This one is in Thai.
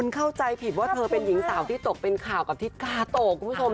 เข้าใจผิดว่าเธอเป็นหญิงสาวที่ตกเป็นข่าวกับทิศกาโตคุณผู้ชม